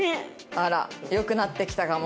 あらよくなってきたかも？